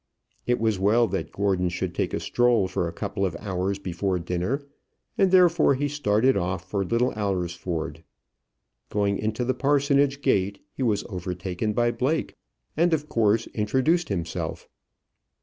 It was well that Gordon should take a stroll for a couple of hours before dinner, and therefore he started off for Little Alresford. Going into the parsonage gate he was overtaken by Blake, and of course introduced himself.